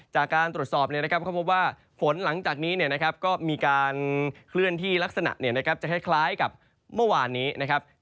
จากการตรวจสอบก็พบว่าฝนหลังจากนี้ก็มีการเคลื่อนที่ลักษณะจะคล้ายกับเมื่อวานนี้นะครับ